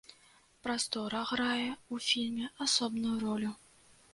Прастора грае ў фільме асобную ролю.